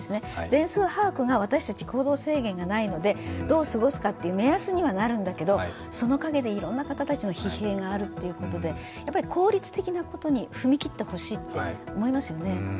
全数把握が、私たち行動制限がないのでどう過ごすかという目安にはなるんだけど、その陰でいろんな方たちの疲弊があるということで、効率的なことに踏み切ってほしいと思いますね。